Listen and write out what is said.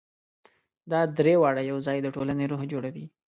دا درې واړه یو ځای د ټولنې روح جوړوي.